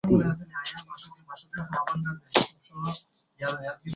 ইঁহারাই নিরাকার উপাসনার যোগ্য ব্যক্তি।